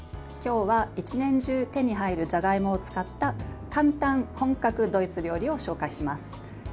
今日は一年中手に入るじゃがいもを使った簡単本格ドイツ料理を紹介します。